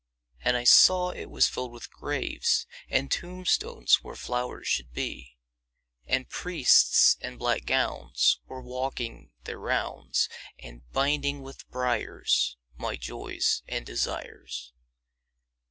And I saw it was filled with graves, And tombstones where flowers should be; And priests in black gowns were walking their rounds, And binding with briars my joys and desires.